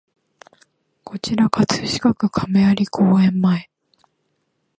こちら葛飾区亀有公園前